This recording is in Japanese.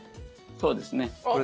そうですね。